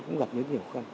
cũng gặp những điều khó khăn